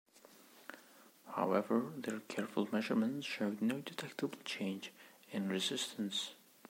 However their careful measurements showed no detectable change in resistance.